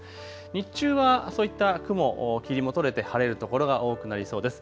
日中はそういった雲、霧も取れて晴れる所が多くなりそうです。